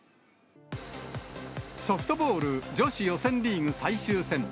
ソフトボール女子予選リーグ最終戦。